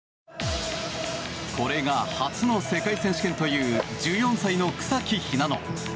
これが初の世界選手権という１４歳の草木ひなの。